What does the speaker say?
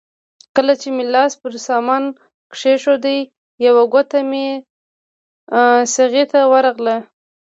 کله چې مې لاس پر سامان کېښود یوه ګوته مې څغۍ ته وغځوله.